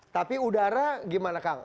tapi udara gimana kang